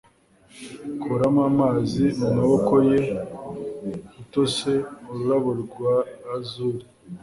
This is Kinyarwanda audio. kuramo amazi mumaboko ye, utose ururabo rwa azure